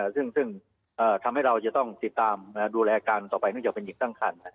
ซึ่งทำให้เราจะต้องติดตามดูแลการต่อไปนึกจะเป็นอีกสังคัญนะฮะ